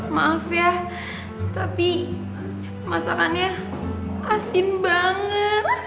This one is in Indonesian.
maaf ya tapi masakannya asin banget